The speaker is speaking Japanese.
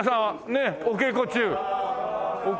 ねえお稽古中。